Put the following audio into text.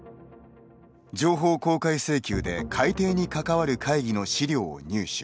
情報公開請求で改訂に関わる会議の資料を入手。